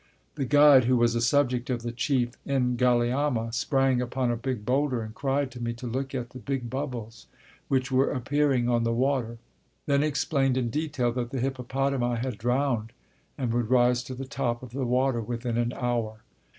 The guide, who was a subject of the Chief N'Galiama, sprang upon a big boulder and cried to me to look at the big bubbles which were appearing on the water; then explained in detail that the hippopotami had drowned and would rise to the top of the water within an hour.